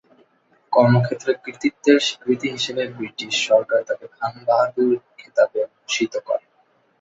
কর্মক্ষেত্রে কৃতিত্বের স্বীকৃতি হিসেবে ব্রিটিশ সরকার তাকে "খান বাহাদুর" খেতাবে ভূষিত করে।